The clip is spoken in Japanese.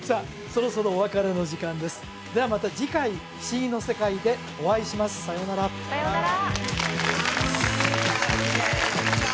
そろそろお別れの時間ですではまた次回ふしぎの世界でお会いしますさようならさようなら